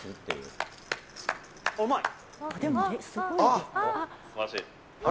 うまい。